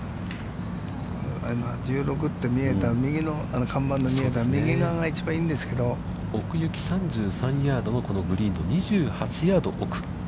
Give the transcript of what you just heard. １６って見えた右の看板で見えた、右側が一番いいんですけど、奥行き３３ヤードのグリーンの２８ヤード奥。